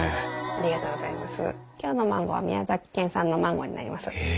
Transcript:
ありがとうございます。